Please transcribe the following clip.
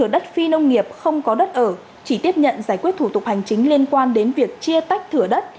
đất phi nông nghiệp không có đất ở chỉ tiếp nhận giải quyết thủ tục hành chính liên quan đến việc chia tách thửa đất